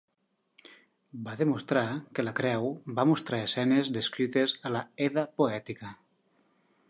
Va demostrar que la creu va mostrar escenes descrites a la "Edda poètica".